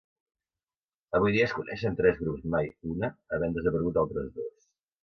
Avui dia es coneixen tres grups Mai huna, havent desaparegut altres dos.